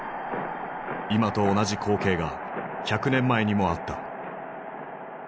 今と同じ光景が１００年前にもあった。